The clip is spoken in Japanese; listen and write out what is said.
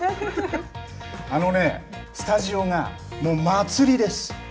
あのね、スタジオがもう、祭りです。